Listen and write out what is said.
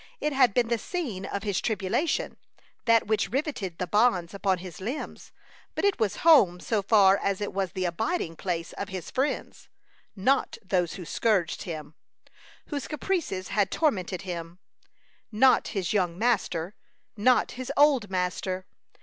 It had been the scene of his tribulation that which riveted the bonds upon his limbs. But it was home so far as it was the abiding place of his friends, not those who scourged him, whose caprices had tormented him; not his young master, not his old master.